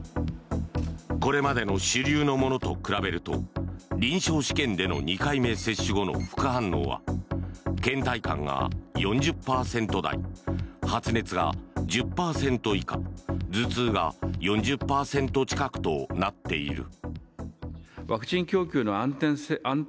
これまでの主流のものと比べると臨床試験の２回目接種後の副反応は、けん怠感が４０％台発熱が１０％以下頭痛が４０％近くとなっている。